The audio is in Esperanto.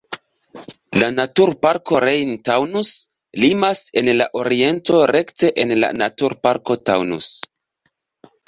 La naturparko Rhein-Taunus limas en la oriento rekte en la naturparko Taunus.